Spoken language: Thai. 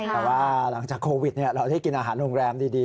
แต่ว่าหลังจากโควิดเราได้กินอาหารโรงแรมดี